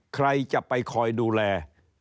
ใครจะไปคอยดูแล